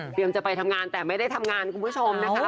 จะไปทำงานแต่ไม่ได้ทำงานคุณผู้ชมนะคะ